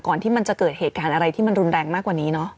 ที่มันจะเกิดเหตุการณ์อะไรที่มันรุนแรงมากกว่านี้เนอะ